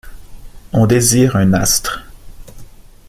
On désire un astre.